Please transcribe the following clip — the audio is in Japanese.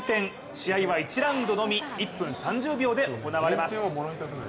試合は１ラウンドのみ１分３０秒で行われます。